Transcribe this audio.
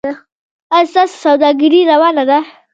ایا ستاسو سوداګري روانه ده؟